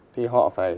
thì họ phải